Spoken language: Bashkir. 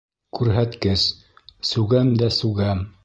Күрһәткес: «Сүгәм дә сүгәм»